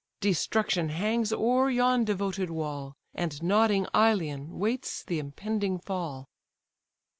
Destruction hangs o'er yon devoted wall, And nodding Ilion waits the impending fall."